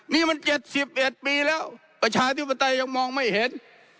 นี่มันเจ็ดสิบเอ็ดปีแล้วประชาธิปไตยยังมองไม่เห็น